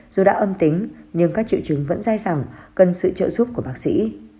dù đã âm tính nhưng các triệu chứng vẫn dai dẳng cần sự trợ giúp của bác sĩ